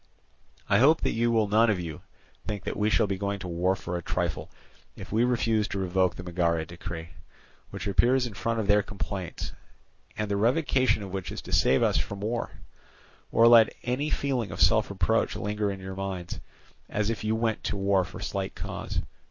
I hope that you will none of you think that we shall be going to war for a trifle if we refuse to revoke the Megara decree, which appears in front of their complaints, and the revocation of which is to save us from war, or let any feeling of self reproach linger in your minds, as if you went to war for slight cause.